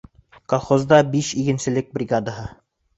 Колхозда биш игенселек бригадаһы.